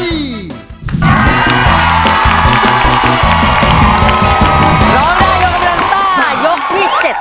ร้องได้ยกกำลังซ่ายกที่๗